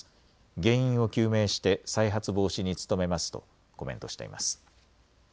原因を究明して再発防止に努めますとコメントしています。